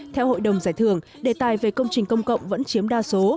theo hội đồng giải thưởng đề tài về công trình công cộng vẫn chiếm đa số